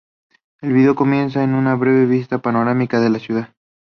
El vídeo comienza con una breve vista panorámica de la ciudad.